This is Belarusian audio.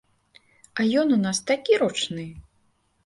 А ён у нас такі ручны!